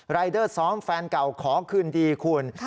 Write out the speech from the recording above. รายเดอร์ซ้อมแฟนเก่าขอคืนดีคุณ